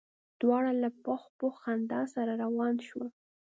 دواړه له پخ پخ خندا سره روان شول.